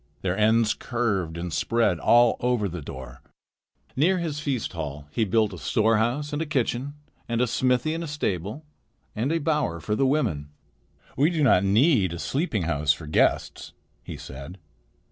Their ends curved and spread all over the door. Near his feast hall he built a storehouse and a kitchen and a smithy and a stable and a bower for the women. "We do not need a sleeping house for guests," he said.